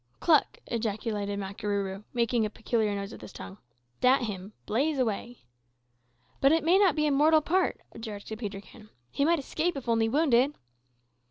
"Cluck!" ejaculated Makarooroo, making a peculiar noise with his tongue. "Dat him. Blaze away!" "But it may not be a mortal part," objected Peterkin. "He might escape if only wounded."